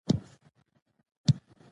زه هڅه کوم د پنیر لرونکي سنکس جوړ کړم.